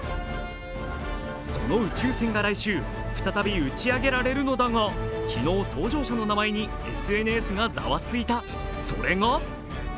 その宇宙船が来週、再び打ち上げられるのだが、昨日、搭乗者の名前にＳＮＳがざわついた。